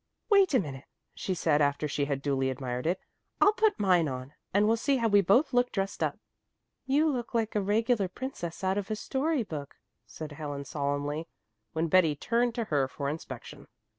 "Wait a minute," she said after she had duly admired it. "I'll put mine on, and we'll see how we both look dressed up." "You look like a regular princess out of a story book," said Helen solemnly, when Betty turned to her for inspection.